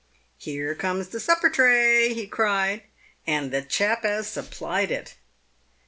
" Here comes the supper tray," he cried, "and the chap as supplied it."